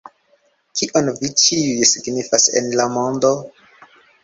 Kion vi ĉiuj signifas en la mondo?